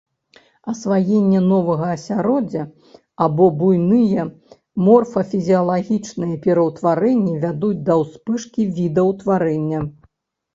Асваенне новага асяроддзя або буйныя морфафізіялагічныя пераўтварэнні вядуць да ўспышкі відаўтварэння.